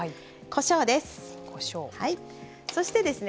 こしょうです。